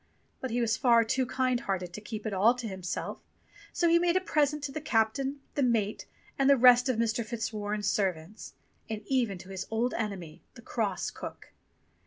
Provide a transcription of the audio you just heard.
But he was far too kind hearted to keep it all to himself ; so he made a present to the captain, the mate, and the rest of Mr. Fitzwarren's servants ; and even to his old enemy, the cross cook.